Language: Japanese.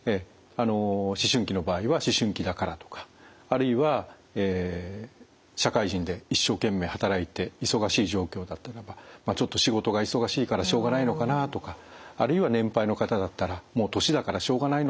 思春期の場合は思春期だからとかあるいは社会人で一生懸命働いて忙しい状況だったらばちょっと仕事が忙しいからしょうがないのかなとかあるいは年配の方だったらもう年だからしょうがないのかな。